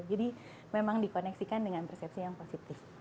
jadi memang dikoneksikan dengan persepsi yang positif